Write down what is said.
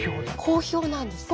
好評なんです。